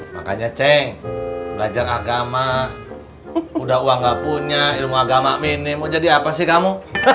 makanya ceng belajar agama udah uang gak punya ilmu agama minimu jadi apa sih kamu